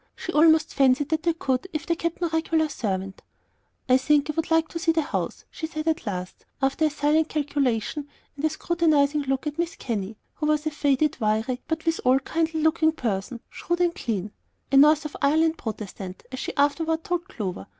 She almost fancied that they could if they kept no regular servant. "I think I would like to see the house," she said at last, after a silent calculation and a scrutinizing look at Mrs. Kenny, who was a faded, wiry, but withal kindly looking person, shrewd and clean, a North of Ireland Protestant, as she afterward told Clover.